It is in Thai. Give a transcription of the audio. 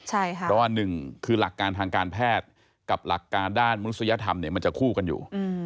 เพราะว่าหนึ่งคือหลักการทางการแพทย์กับหลักการด้านมนุษยธรรมมันจะคู่กันอยู่